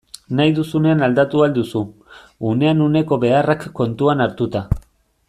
Nahi duzunean aldatu ahal duzu, unean uneko beharrak kontuan hartuta.